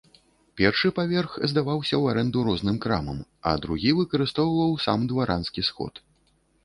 Першы паверх здаваўся ў арэнду розным крамам, а другі выкарыстоўваў сам дваранскі сход.